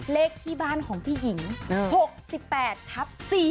เลขที่บ้านของพี่หญิง๖๘ทับ๔